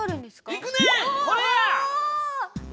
いくねえ！